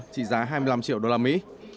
chỉ giá hai mươi năm triệu đô la mỹ